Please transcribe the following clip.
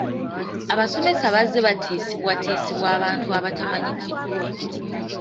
Abasomesa bazze batiisibwatiisibwa abantu abatamanyikiddwa.